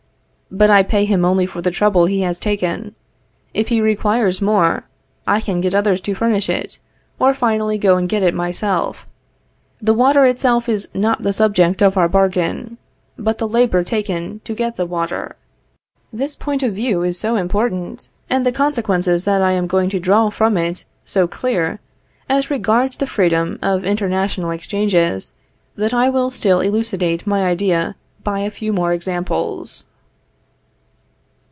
But I pay him only for the trouble he has taken. If he requires more, I can get others to furnish it, or finally go and get it myself. The water itself is not the subject of our bargain; but the labor taken to get the water. This point of view is so important, and the consequences that I am going to draw from it so clear, as regards the freedom of international exchanges, that I will still elucidate my idea by a few more examples.